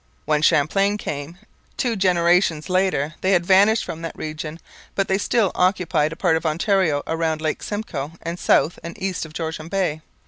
When Champlain came, two generations later, they had vanished from that region, but they still occupied a part of Ontario around Lake Simcoe and south and east of Georgian Bay.